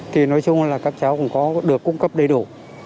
thì nói chung là các cháu cũng có được cung cấp đầy đủ